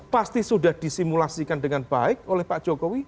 pasti sudah disimulasikan dengan baik oleh pak jokowi